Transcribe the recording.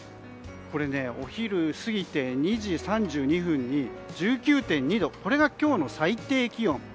お昼すぎて２時３２分に１９．２度これが今日の最低気温。